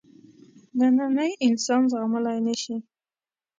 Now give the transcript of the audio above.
نننی انسان زغملای نه شي.